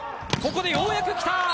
ここでようやくきた！